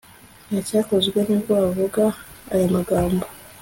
ntacyakozwe nibwo bavuga aya magambo